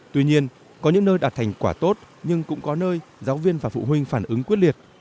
tuy nhiên có những nơi đạt thành quả tốt nhưng cũng có nơi giáo viên và phụ huynh phản ứng quyết liệt